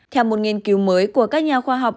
theo một nghiên cứu mới của các nhà khoa học